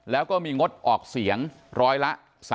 แล้วก็มีงดออกเสียงร้อยละ๓๐